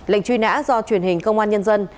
lệnh truy nã do truyền hình công an nhân dân